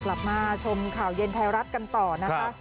กลับมาชมข่าวเย็นไทยรัฐกันต่อนะคะ